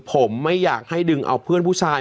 ผมไม่อยากให้ดึงเอาเพื่อนผู้ชาย